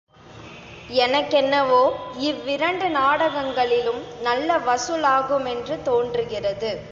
எனக்கென்னவோ இவ்விரண்டு நாடகங்களிலும் நல்ல வசூலாகுமென்று தோன்றுகிறது.